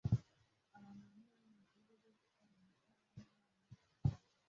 Abantu bane bari mubikorwa byo gukora amatara yamabara mumaduka yabo